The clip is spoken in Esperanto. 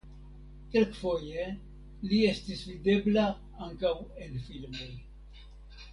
Kelkfoje li estis videbla ankaŭ en filmoj.